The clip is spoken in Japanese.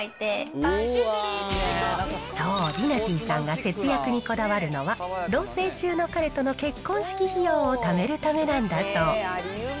そう、りなてぃさんが節約にこだわるのは、同せい中の彼との結婚式費用をためるためなんだそう。